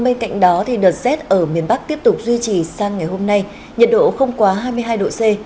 bên cạnh đó đợt rét ở miền bắc tiếp tục duy trì sang ngày hôm nay nhiệt độ không quá hai mươi hai độ c